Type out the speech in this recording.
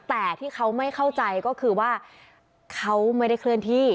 แต่ที่เขาไม่เข้าใจก็คือว่าเขาไม่ได้เคลื่อนที่